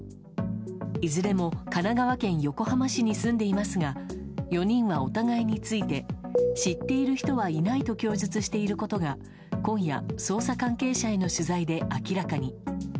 いずれも神奈川県横浜市に住んでいますが４人はお互いについて知っている人はいないと供述していることが今夜、捜査関係者への取材で明らかに。